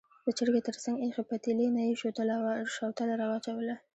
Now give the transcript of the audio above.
د چرګۍ تر څنګ ایښې پتیلې نه یې شوتله راواچوله.